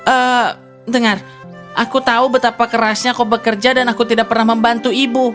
eh dengar aku tahu betapa kerasnya kau bekerja dan aku tidak pernah membantu ibu